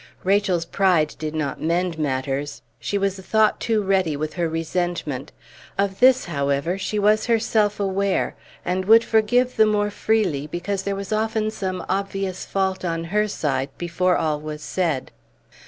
Rachel's pride did not mend matters; she was a thought too ready with her resentment; of this, however, she was herself aware, and would forgive the more freely because there was often some obvious fault on her side before all was said.